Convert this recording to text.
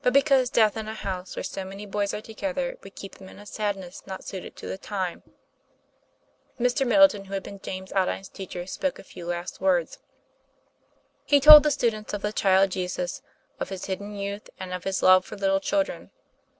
249 because death in a house where so many boys are together would keep them in a sadness not suited to the time." Mr. Middleton, who had been James Aldine's teacher, spoke a few last words. He told the students of the child Jesus; of His hidden youth, and of His love for little children.